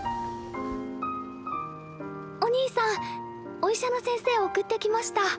おにいさんお医者の先生送ってきました。